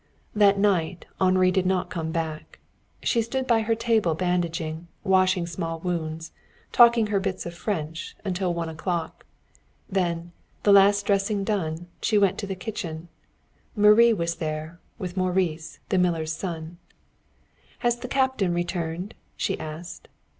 That night Henri did not come back. She stood by her table bandaging, washing small wounds, talking her bits of French, until one o'clock. Then, the last dressing done, she went to the kitchen. Marie was there, with Maurice, the miller's son. "Has the captain returned?" she asked.